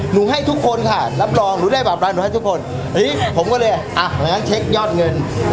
หนูให้ทุกคนค่ะรับรองหนูได้บาปร้ายหนูให้ทุกคนอันนี้ผมก็เลยอ่ะงั้นเช็คยอดเงิน